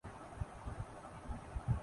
یہ تحریر ہے